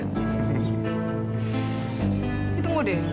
tapi tunggu deh